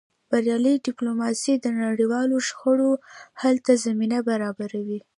بریالۍ ډیپلوماسي د نړیوالو شخړو حل ته زمینه برابروي.